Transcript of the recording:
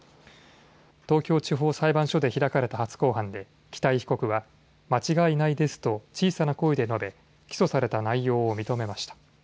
東京地方裁判所で開かれた初公判で北井被告は間違いないですと小さな声で述べ起訴された内容を認めました。